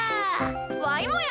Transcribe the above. わいもや！